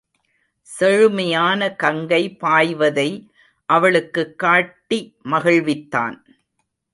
செழுமையான கங்கை பாய்வதை அவளுக்குக் காட்டி மகிழ்வித்தான்.